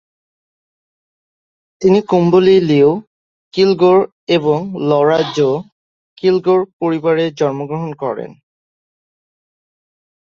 তিনি Quimby Hugh Kilgore এবং Laura জো কিলগোর পরিবারে জন্মগ্রহণ করেন।